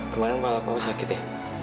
kemarin pak bapak sakit ya